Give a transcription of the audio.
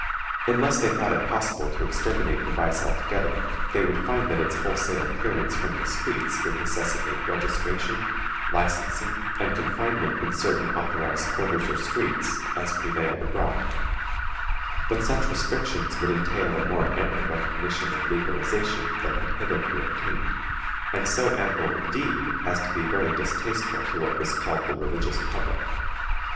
Unless they thought it possible to exterminate the vice altogether, they would find that its wholesale clearance from the streets would necessitate registration, licensing, and confinement in certain authorized quarters or streets, as prevailed abroad; but such restrictions would entail a more ample recognition and legalization than had hitherto obtained, and so ample, indeed, as to be very distasteful to what was called the religious public.